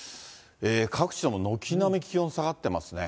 各地も軒並み気温下がってますね。